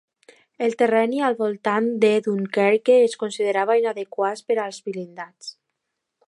El terreny al voltant de Dunkerque es considerava inadequat per als blindats.